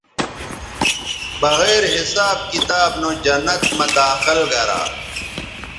بغیر حساب کتاب نو جنت مہ داخل گرا